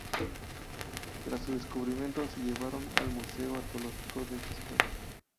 Tras su descubrimiento se llevaron al museo Arqueológico de esta ciudad.